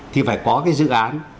thì phải có cái dự án